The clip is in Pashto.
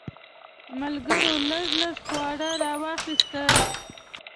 ملګرو لږ لږ خواړه راواخیستل.